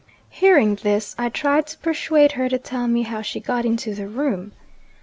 Hearing this, I tried to persuade her to tell me how she got into the room.